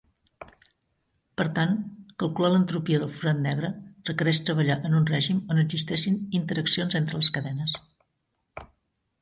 Per tant, calcular l'entropia del forat negre requereix treballar en un règim on existeixin interaccions entre les cadenes.